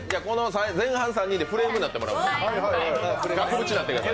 前半３人でフレームになってもらう。